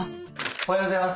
おはようございます。